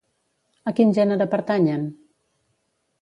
A quin gènere pertanyen?